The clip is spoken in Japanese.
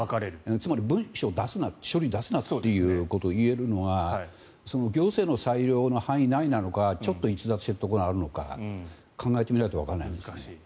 つまり書類を出すなということを言えるのは行政の裁量の範囲内なのかちょっと逸脱しているのか考えてみないとわからないです。